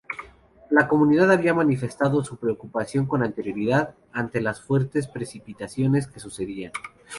La comunidad había manifestado su preocupación con anterioridad ante las fuertes precipitaciones que sucedían.